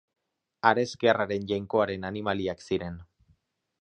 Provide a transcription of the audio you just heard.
Ares gerraren jainkoaren animaliak ziren.